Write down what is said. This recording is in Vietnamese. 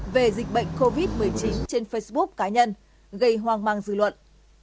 về dịch bệnh covid một mươi chín trên facebook cá nhân gây hoang mang dư luận